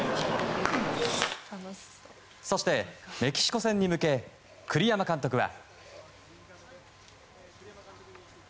そして、メキシコ戦に向け栗山監督は。